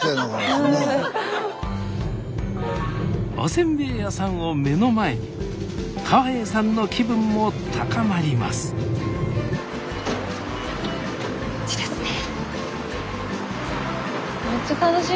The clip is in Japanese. おせんべい屋さんを目の前に川栄さんの気分も高まりますこっちですね。